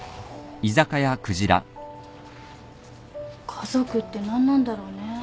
家族って何なんだろうね。